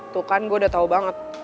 tuh kan gue udah tau banget